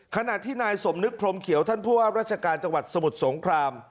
ขณะที่นายสมนึกพรมเขียวท่านผู้ว่าราชการจังหวัดสมุทรสงคราม